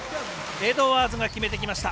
エドワーズが決めてきました。